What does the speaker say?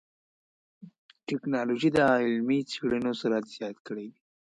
ټکنالوجي د علمي څېړنو سرعت زیات کړی دی.